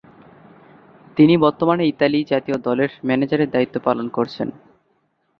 তিনি বর্তমানে ইতালি জাতীয় দলের ম্যানেজারের দায়িত্ব পালন করছেন।